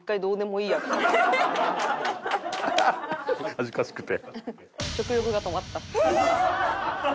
恥ずかしくて？